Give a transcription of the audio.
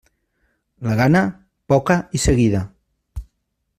La gana, poca i seguida.